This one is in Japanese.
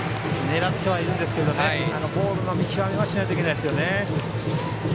狙ってはいるんですけどボールの見極めはしないといけないですよね。